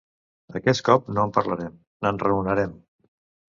Aquest cop no en parlarem, "n'enraonarem".